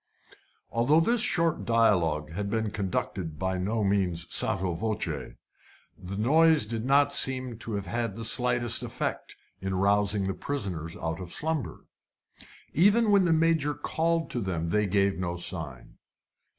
Although this short dialogue had been conducted by no means sotto voce, the noise did not seem to have had the slightest effect in rousing the prisoners out of slumber. Even when the Major called to them they gave no sign.